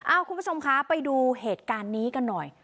คุณผู้ชมคะไปดูเหตุการณ์นี้กันหน่อย